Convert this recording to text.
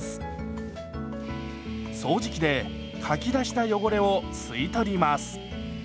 掃除機でかき出した汚れを吸い取ります。